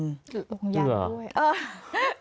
ลงยันด้วย